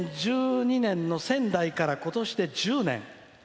２０１２年の仙台から、ことしで１０年。